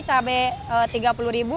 cabai tiga puluh ribu